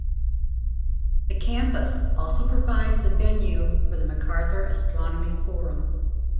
The campus also provides the venue for the Macarthur Astronomy Forum.